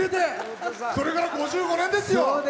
それから５５年ですよ。